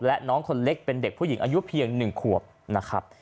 และน้องคนเล็กเป็นเด็กผู้หญิงอายุเพียง๑ขวบนะครับ